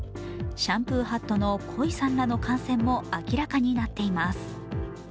シャンプーハットの恋さんらの感染も明らかになっています。